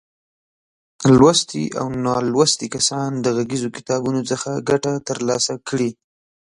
لوستي او نالوستي کسان د غږیزو کتابونو څخه ګټه تر لاسه کړي.